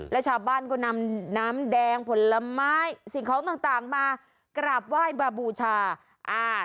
แล้วชาวบ้านก็นำน้ำแดงผลไม้สิ่งของต่างต่างมากราบไหว้บาบูชาอ่า